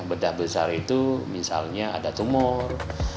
bedah besar itu misalnya ada tumor